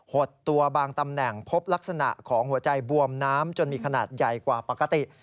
ดตัวบางตำแหน่งพบลักษณะของหัวใจบวมน้ำจนมีขนาดใหญ่กว่าปกติ